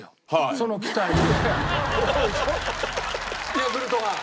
ヤクルトファン。